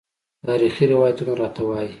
تاریخي روایتونه راته وايي.